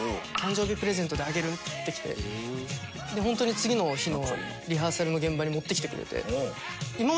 本当に次の日のリハーサルの現場に持ってきてくれて。